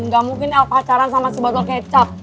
gak mungkin el pacaran sama si botol kecap